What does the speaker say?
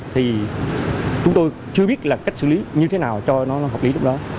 thì chúng tôi chưa biết là cách xử lý như thế nào cho nó hợp lý lúc đó